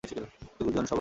একটু ধৈর্য ধরুন সবাই।